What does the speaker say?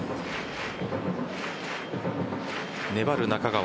粘る中川。